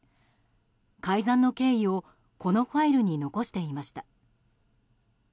改ざんの経緯をこのファイルに残していました。